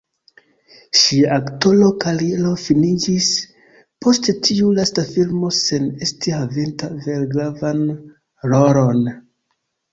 Ŝia aktora kariero finiĝis post tiu lasta filmo sen esti havinta vere gravan rolon.